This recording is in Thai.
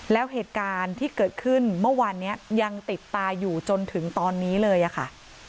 แล้วเหตุการณ์ที่เกิดขึ้นเมื่อวานนี้ยังติดตาอยู่จนถึงตอนนี้เลยอะค่ะ